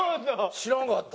知らんかった。